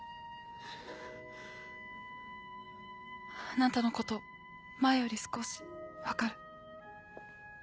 あなたのこと前より少し分かる。